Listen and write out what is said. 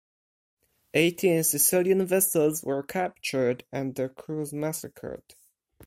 Eighteen Sicilian vessels were captured and their crews massacred.